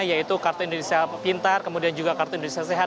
yaitu kartu indonesia pintar kemudian juga kartu indonesia sehat